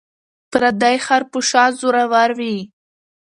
ـ پردى خر په شا زور ور وي.